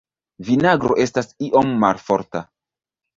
Vinagro estas iom malforta.